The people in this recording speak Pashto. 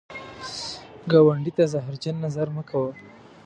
ګاونډي ته زهرجن نظر مه کوه